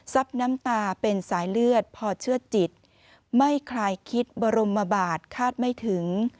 น้ำตาเป็นสายเลือดพอเชื่อจิตไม่คลายคิดบรมบาทคาดไม่ถึง